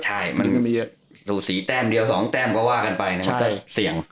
หูเอดีแดมเดียวสองแดมก็ว่ากันไปแล้วก็เสี่ยง